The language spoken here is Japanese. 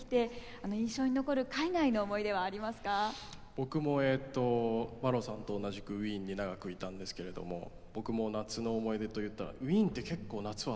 僕もマロさんと同じくウィーンに長くいたんですけれども僕の夏の思い出といったらウィーンって結構夏は暑いんですよ。